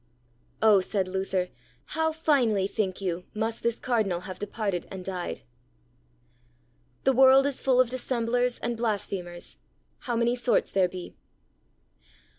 Oh! said Luther, how finely, think you, must this Cardinal have departed and died? The World is full of Dissemblers and Blasphemers: How many Sorts there be.